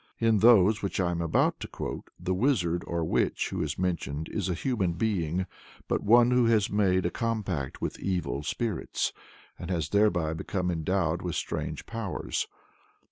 In those which I am about to quote, the wizard or witch who is mentioned is a human being, but one who has made a compact with evil spirits, and has thereby become endowed with strange powers.